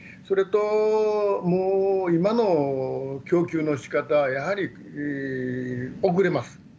それと、もう今の供給のしかた、やはり遅れます。